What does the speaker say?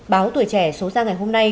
báo tuổi trẻ số ra ngày hôm nay